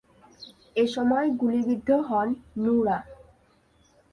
এ সময় গুলিবিদ্ধ হন নুরা।